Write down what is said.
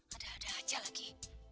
ada ada aja lagi